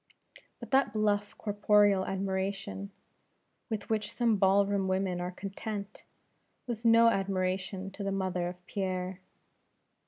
But that bluff corporeal admiration, with which some ball room women are content, was no admiration to the mother of Pierre.